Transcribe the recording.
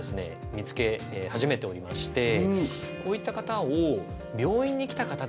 見つけ始めておりましてこういった方を病院に来た方ではですね